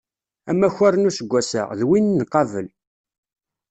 Amakar n useggwass-a, d win n qabel.